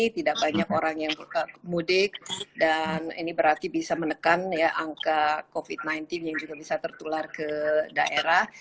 tidak banyak orang yang mudik dan ini berarti bisa menekan angka covid sembilan belas yang juga bisa tertular ke daerah